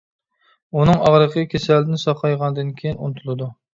ئۇنىڭ ئاغرىقى كېسەلدىن ساقايغاندىن كېيىن ئۇنتۇلىدۇ.